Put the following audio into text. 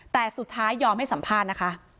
แต่สุดท้ายยอมให้สัมภาษณ์นะคะ